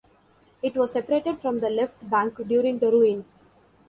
It was separated from the left bank during The Ruin.